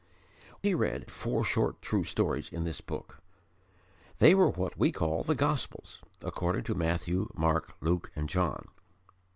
He read four short true stories in this book: they were what we call the Gospels according to Matthew, Mark, Luke and John.